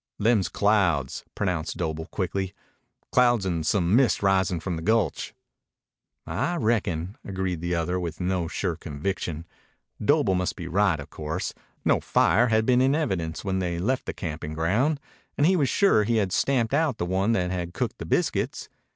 "Them's clouds," pronounced Doble quickly. "Clouds an' some mist risin' from the gulch." "I reckon," agreed the other, with no sure conviction. Doble must be right, of course. No fire had been in evidence when they left the camping ground, and he was sure he had stamped out the one that had cooked the biscuits.